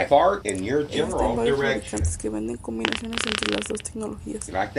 Existen varios fabricantes que venden combinaciones entre las dos tecnologías.